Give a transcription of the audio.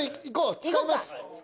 使います。